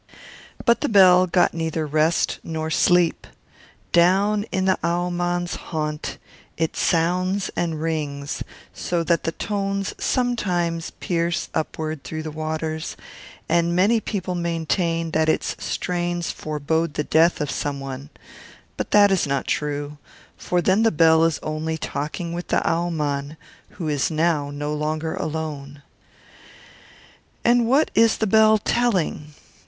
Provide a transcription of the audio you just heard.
But the Bell got neither rest nor sleep. Down in the Au mann's haunt it sounds and rings, so that the tones sometimes pierce upward through the waters; and many people maintain that its strains forebode the death of some one; but that is not true, for the Bell is only talking with the Au mann, who is now no longer alone. And what is the Bell telling?